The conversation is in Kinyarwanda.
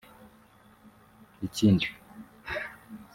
Ikindi